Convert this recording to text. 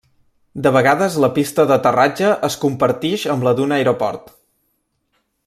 De vegades la pista d'aterratge es compartix amb la d'un aeroport.